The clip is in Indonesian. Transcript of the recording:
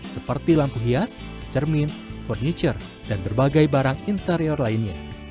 seperti lampu hias cermin furniture dan berbagai barang interior lainnya